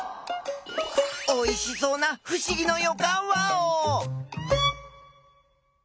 おいしそうなふしぎのよかんワオ！